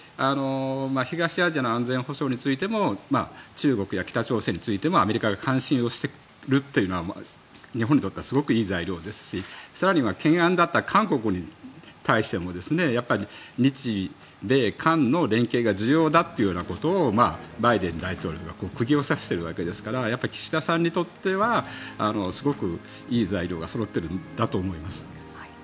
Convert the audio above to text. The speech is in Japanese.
東アジアの安全保障についても中国や北朝鮮についてもアメリカが関心をしているというのは日本にとってはすごくいい材料ですし更には懸案だった韓国に対しても日米韓の連携が重要だということをバイデン大統領が釘を刺しているわけですからやっぱり岸田さんにとってはすごくいい材料がそろっているんだと思います。